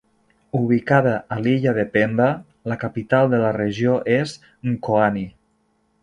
Ubicada a l'illa de Pemba, la capital de la regió es Mkoani.